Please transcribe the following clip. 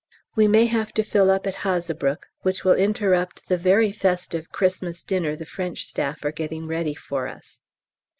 We may have to fill up at Hazebrouck, which will interrupt the very festive Xmas dinner the French Staff are getting ready for us.